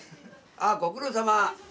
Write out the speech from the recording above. ああご苦労さま。